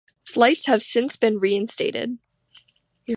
Flights have since been re-instated.